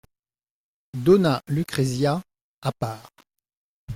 Dona Lucrezia, à part.